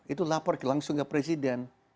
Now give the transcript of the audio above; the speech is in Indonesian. itu lapor langsung ke presiden